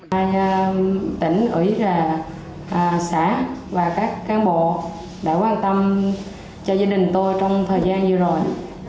hai tỉnh ủy là xã và các cán bộ đã quan tâm cho gia đình tôi trong thời gian vừa rồi